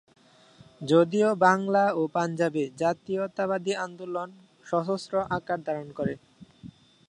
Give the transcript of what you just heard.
যদিও বাংলা ও পাঞ্জাবে জাতীয়তাবাদী আন্দোলন সশস্ত্র আকার ধারণ করে।